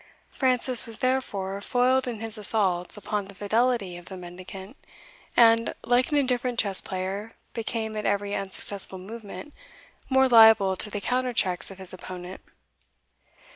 Francis was therefore foiled in his assaults upon the fidelity of the mendicant, and, like an indifferent chess player, became, at every unsuccessful movement, more liable to the counter checks of his opponent.